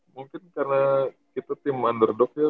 mungkin karena kita tim underdog ya